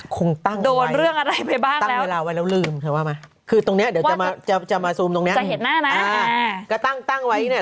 คงตั้งไว้ตั้งเวลาไว้แล้วลืมคือว่าไหมคือตรงนี้เดี๋ยวจะมาซูมตรงนี้คือตั้งไว้เนี่ย